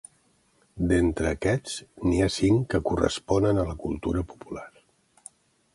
D'entre aquests, n'hi ha cinc que corresponen a la cultura popular.